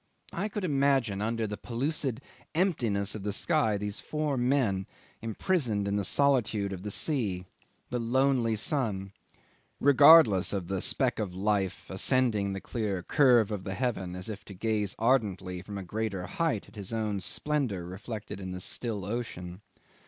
I could imagine under the pellucid emptiness of the sky these four men imprisoned in the solitude of the sea, the lonely sun, regardless of the speck of life, ascending the clear curve of the heaven as if to gaze ardently from a greater height at his own splendour reflected in the still ocean.